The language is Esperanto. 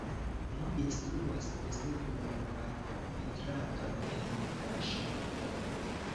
Li instruas desegnon kaj pentradon en Braŝovo.